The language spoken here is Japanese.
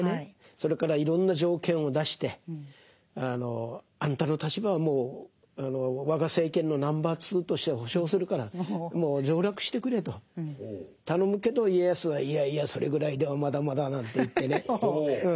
それからいろんな条件を出してあんたの立場はもう我が政権のナンバー２として保証するからもう上洛してくれと頼むけど家康はいやいやそれぐらいではまだまだなんて言ってね。